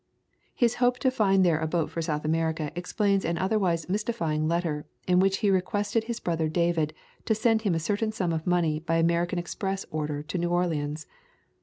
His hope to find there a boat for South America explains an otherwise mystifying letter in which he re quested his brother David to send him a cer tain sum of money by American Express order to New Orleans.